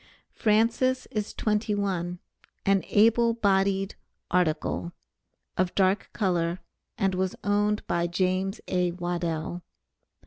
Francis is twenty one, an able bodied "article," of dark color, and was owned by James A. Waddell.